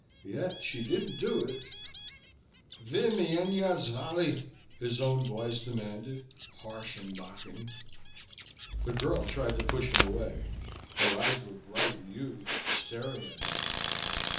Yet she didn't do it "Vi myenya zvali?" his own voice demanded, harsh and mocking. The girl tried to push him away. Her eyes were bright and huge, staring at him.